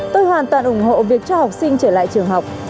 tôi hoàn toàn ủng hộ việc cho học sinh trở lại trường học